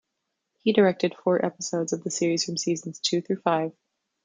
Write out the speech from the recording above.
He directed four episodes of the series from seasons two through five.